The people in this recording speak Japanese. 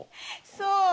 そう！